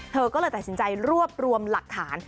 เธอก็เลยตัดสินใจรวบรวมหลักฐาน